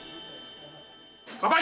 乾杯！